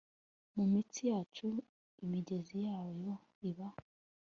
mu mitsi yacu imigezi yayo iba